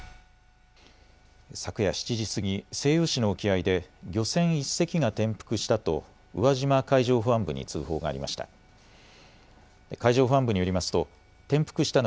昨夜７時過ぎ、西予市の沖合で漁船１隻が転覆したと宇和島海上保安部に通報がありました。